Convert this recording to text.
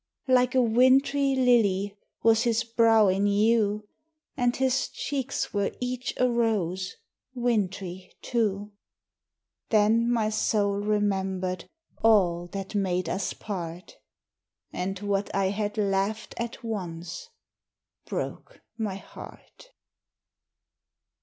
Like a wintry lily was his brow in hue; And his cheeks were each a rose, wintry, too. Then my soul remembered all that made us part, And what I had laughed at once broke my heart.